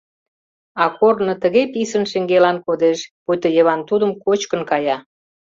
А корно тыге писын шеҥгелан кодеш, пуйто Йыван тудым кочкын кая.